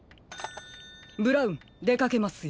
ブラウンでかけますよ。